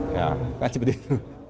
ya kan seperti itu